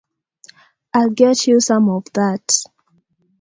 I'll get you some of that.